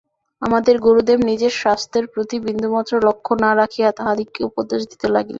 আমাদের গুরুদেব নিজের স্বাস্থ্যের প্রতি বিন্দুমাত্র লক্ষ্য না রাখিয়া তাহাদিগকে উপদেশ দিতে লাগিলেন।